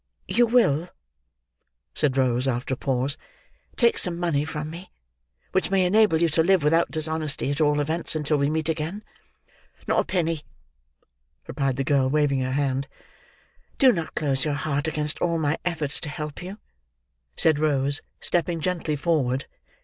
"You will," said Rose, after a pause, "take some money from me, which may enable you to live without dishonesty—at all events until we meet again?" "Not a penny," replied the girl, waving her hand. "Do not close your heart against all my efforts to help you," said Rose, stepping gently forward.